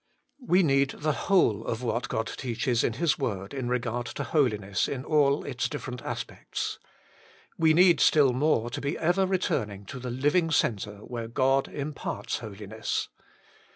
3. We need the whole of what God teaches in His Word in regard to holiness in all its different aspects. We need still more to be ever returning to the living centre where God imparts holiness.